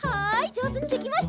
じょうずにできました！